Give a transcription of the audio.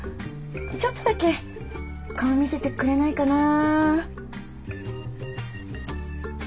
ちょっとだけ顔見せてくれないかな？